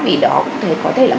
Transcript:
vì đó cũng có thể là